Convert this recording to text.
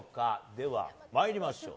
では参りましょう。